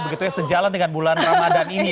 begitunya sejalan dengan bulan ramadhan ini